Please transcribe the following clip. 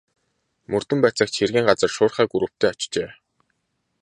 Мөрдөн байцаагч хэргийн газар шуурхай групптэй очжээ.